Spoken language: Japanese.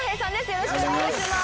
よろしくお願いします。